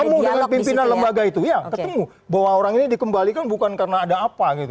ketemu dengan pimpinan lembaga itu ya ketemu bahwa orang ini dikembalikan bukan karena ada apa gitu